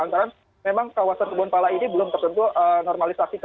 karena memang kawasan kebun pala ini belum tertentu normalisasi